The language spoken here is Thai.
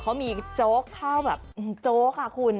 เขามีโจ๊กข้าวแบบโจ๊กค่ะคุณ